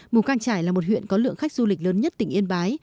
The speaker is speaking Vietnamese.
mù căng trải là một huyện có lượng khách du lịch lớn nhất tỉnh yên bái